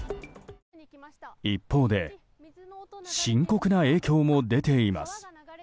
一方で深刻な影響も出ています。